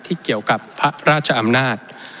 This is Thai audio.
เกี่ยวกับพระราชอำนาจ